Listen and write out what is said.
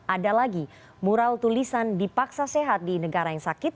ada lagi mural tulisan dipaksa sehat di negara yang sakit